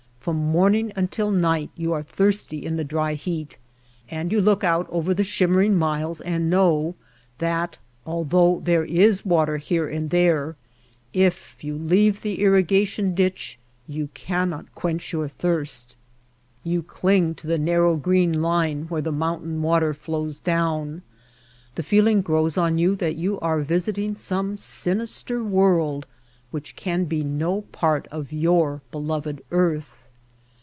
From morning until night you are thirsty in the dry heat, and you look out over the shimmering, miles and know that, though there is water here and there, if you leave the irrigation Strangest Farm in the World ditch you cannot quench your thirst. You cling to the narrow green line where the mountain water flows down. The feeling grows on you that you are visiting some sinister world which can be no part of your beloved earth.